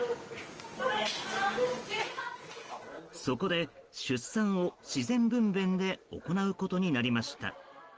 そこで、出産を自然分娩で行うことになりました。